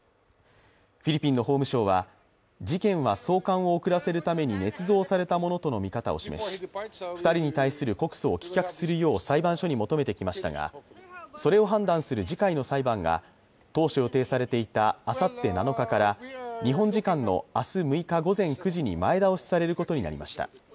フィリピンの法務省は事件は送還を遅らせるためにねつ造されたものとの見方を示し、２人に対する告訴を棄却するよう裁判所に求めてきましたが、それを判断する次回の裁判が当初予定されていたあさって７日から日本時間の明日６日午前９時に前倒しされることになりました。